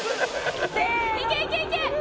「いけいけいけ！」